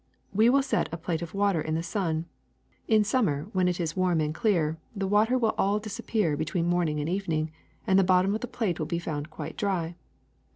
We will set a plate of water in the sun. In summer, when it is warm and clear, the water will all disappear between morn ing and evening, and the bottom of the plate will be found quite dry.